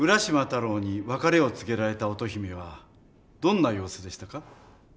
太郎に別れを告げられた乙姫はどんな様子でしたか？